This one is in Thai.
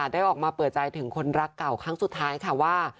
ได้ออกมาเปิดใจถึงคนรักเก่าครั้งสุดท้ายค่ะว่า